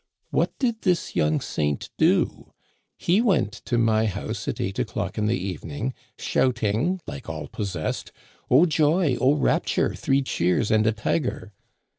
What did this young saint do ? He went to my house at eight o'clock in the evening, shouting, like all possessed :* Oh, joy ! oh, rapture ! Three cheers and a tiger